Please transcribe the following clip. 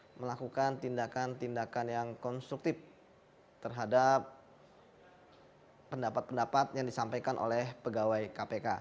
untuk melakukan tindakan tindakan yang konstruktif terhadap pendapat pendapat yang disampaikan oleh pegawai kpk